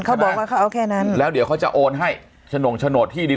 เขาบอกว่าเขาเอาแค่นั้นแล้วเดี๋ยวเขาจะโอนให้ฉนงโฉนดที่ดิน